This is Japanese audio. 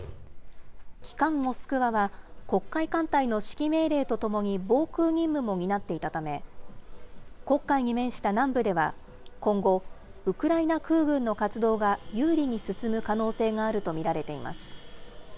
旗艦モスクワは、黒海艦隊の指揮命令とともに、防空任務も担っていたため、黒海に面した南部では、今後、ウクライナ空軍の活動が有利に進む可能性があると見られています。